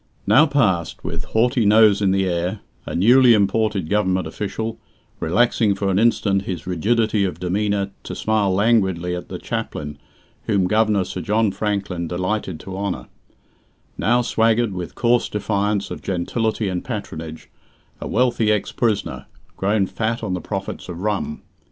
Now passed, with haughty nose in the air, a newly imported government official, relaxing for an instant his rigidity of demeanour to smile languidly at the chaplain whom Governor Sir John Franklin delighted to honour; now swaggered, with coarse defiance of gentility and patronage, a wealthy ex prisoner, grown fat on the profits of rum.